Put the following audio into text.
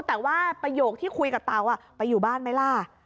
แต่ว่าประโยคที่คุยกับเตาไปอยู่บ้านไหมล่ะ